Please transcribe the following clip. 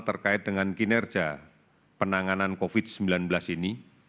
terkait dengan kinerja penanganan covid sembilan belas ini